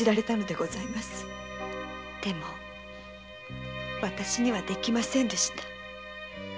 でも私にはできませんでした。